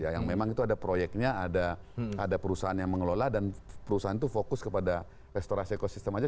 yang memang itu ada proyeknya ada perusahaan yang mengelola dan perusahaan itu fokus kepada restorasi ekosistem aja